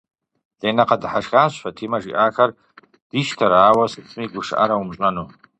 Ленэ къэдыхьэшхащ, Фатимэ жиӀахэр дищтэрэ ауэ сытми гушыӀэрэ умыщӀэну.